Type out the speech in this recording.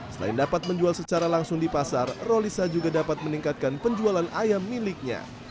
selain dapat menjual secara langsung di pasar rolisa juga dapat meningkatkan penjualan ayam miliknya